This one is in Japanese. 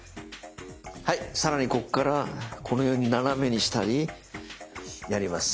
はい更にここからこのように斜めにしたりやります。